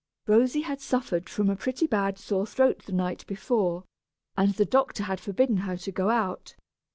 Rosy had suffered from a pretty bad sore throat the night before, and the doctor had forbidden her going out.